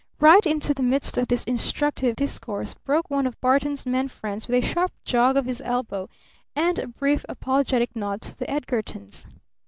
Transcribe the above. Right into the midst of this instructive discourse broke one of Barton's men friends with a sharp jog of his elbow, and a brief, apologetic nod to the Edgartons.